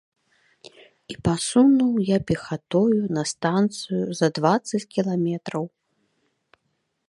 І пасунуў я пехатою на станцыю за дваццаць кіламетраў.